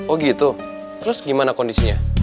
oh gitu terus gimana kondisinya